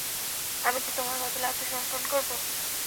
আমি কি তোমার বদলে আত্মসমর্পণ করব?